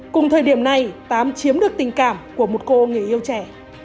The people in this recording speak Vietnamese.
cùng thời điểm này tám chiếm được tình cảm của một cô người yêu trẻ